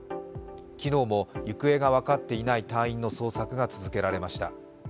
昨日も行方が分かっていない隊員の捜索が続けられました。